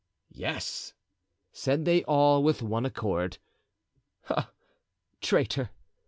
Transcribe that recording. "Yes," said they all, with one accord. "Ah, traitor!"